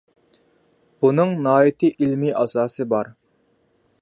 بۇنىڭ ناھايىتى ئىلمىي ئاساسى بار.